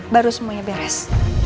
baru semuanya beres